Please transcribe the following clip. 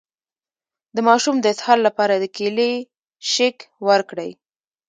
د ماشوم د اسهال لپاره د کیلي شیک ورکړئ